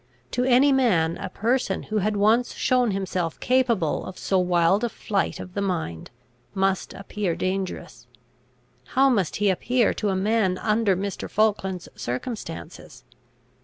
To any man a person who had once shown himself capable of so wild a flight of the mind, must appear dangerous: how must he appear to a man under Mr. Falkland's circumstances?